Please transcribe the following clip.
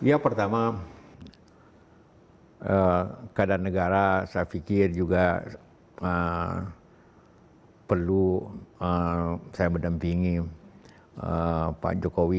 ya pertama keadaan negara saya pikir juga perlu saya mendampingi pak jokowi